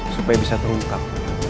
supaya bisa terungkap